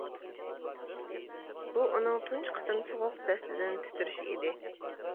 بۇ ئۇنىڭ تۇنجى قېتىم سوغۇق دەستىدىن تىترىشى ئىدى.